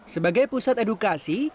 sebagai pusat edukasi